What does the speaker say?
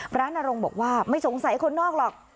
นรงค์บอกว่าไม่สงสัยคนนอกหรอก